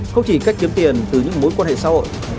không chỉ cách kiếm tiền từ những mối quan hệ xã hội